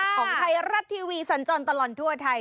ของไทยรัฐทีวีสันจรตลอดทั่วไทย